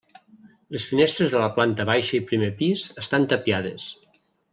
Les finestres de la planta baixa i primer pis estan tapiades.